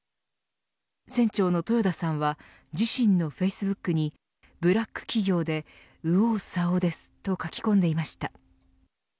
船長の豊田さんは自身のフェイスブックにブラック企業で右往左往ですと書き込んでいました。